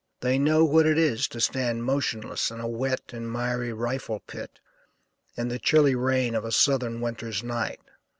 They know what it is to stand motionless in a wet and miry rifle pit in the chilly rain of a southern winter's night.